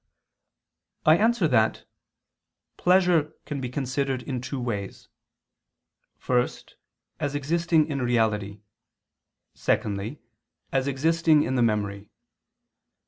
I answer that, Pleasure can be considered in two ways; first, as existing in reality; secondly, as existing in the memory.